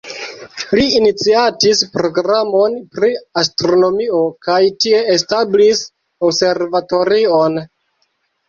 Li iniciatis programon pri astronomio kaj tie establis observatorion.